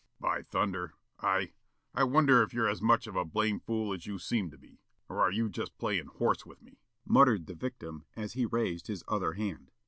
"By thunder, I I wonder if you're as much of a blame fool as you seem to be, or are you just playing horse with me," muttered the victim, as he raised his other hand.